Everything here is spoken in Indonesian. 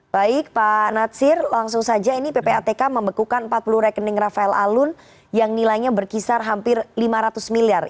baik pak natsir langsung saja ini ppatk membekukan empat puluh rekening rafael alun yang nilainya berkisar hampir lima ratus miliar